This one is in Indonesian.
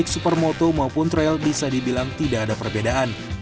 supermoto maupun trail bisa dibilang tidak ada perbedaan